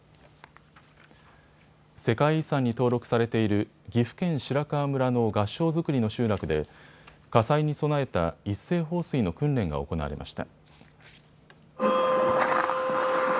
世界遺産に登録されている岐阜県白川村の合掌造りの集落で火災に備えた一斉放水の訓練が行われました。